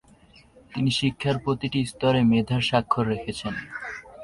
তিনি শিক্ষার প্রতিটি স্তরে মেধার স্বাক্ষর রেখেছেন।